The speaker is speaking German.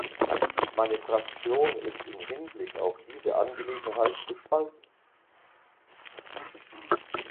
Meine Fraktion ist im Hinblick auf diese Angelegenheit gespalten.